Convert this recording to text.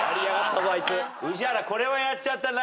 宇治原これはやっちゃったな。